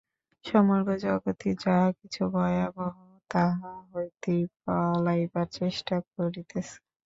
সমগ্র জগৎই যাহা কিছু ভয়াবহ, তাহা হইতেই পলাইবার চেষ্টা করিতেছে।